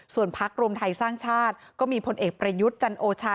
ส่วนพักรวมไทยสร้างชาติก็มีผลเอกประยุทธ์จันโอชา